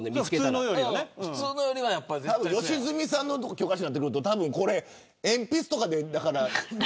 良純さんが教科書に載ってると鉛筆とかで。